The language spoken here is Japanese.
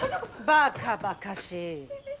バカバカしい。